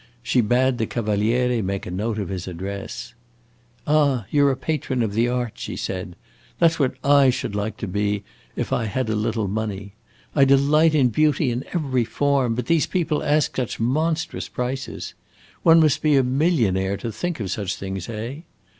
She bade the Cavaliere make a note of his address. "Ah, you 're a patron of the arts," she said. "That 's what I should like to be if I had a little money. I delight in beauty in every form. But all these people ask such monstrous prices. One must be a millionaire, to think of such things, eh?